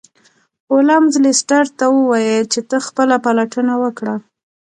هولمز لیسټرډ ته وویل چې ته خپله پلټنه وکړه.